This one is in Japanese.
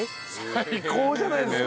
最高じゃないですか！